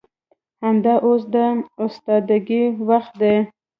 همدا اوس د استادګۍ وخت دى.